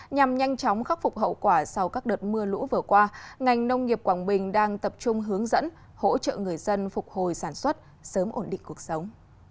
nhằm nhanh chóng khắc phục hậu quả sau các đợt mưa lũ vừa qua ngành nông nghiệp quảng bình đang tập trung hướng dẫn hỗ trợ người dân phục hồi sản xuất sớm ổn định cuộc sống